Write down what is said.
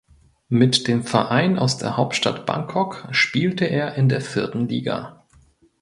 Mit dem Verein aus der Hauptstadt Bangkok spielte er in der vierten Liga.